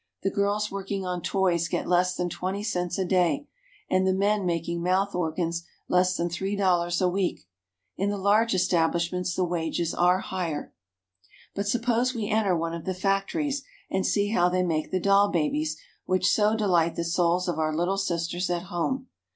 The girls working on toys get less than twenty cents a day, and the men making mouth organs less than three dollars a week. In the large establishments the wages are higher. But suppose we enter one of the factories, and see how they make the doll babies which so delight the souls of our little sisters at home.